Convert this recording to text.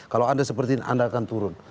kalau anda sepertinya anda akan turun